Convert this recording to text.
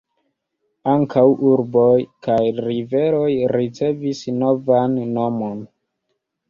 Ankaŭ urboj kaj riveroj ricevis novan nomon.